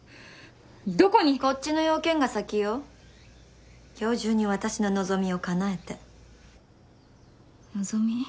どこにこっちの用件が先よ今日中に私の望みをかなえて望み？